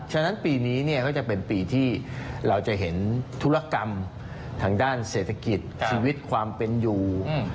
ฉะนั้นปีนี้เนี่ยก็จะเป็นปีที่เราจะเห็นธุรกรรมทางด้านเศรษฐกิจชีวิตความเป็นอยู่